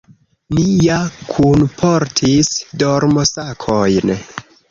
Ni ja kunportis dormosakojn.